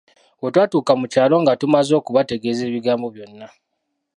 Bwe twatuuka mu kyalo nga tumaze okubategeeza ebigambo byonna.